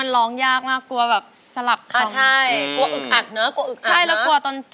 สองหมื่นบาท